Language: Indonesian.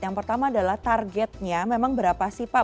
yang pertama adalah targetnya memang berapa sih pak